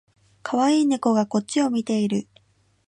かわいい猫がこっちを見ている